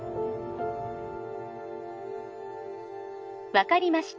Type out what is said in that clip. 分かりました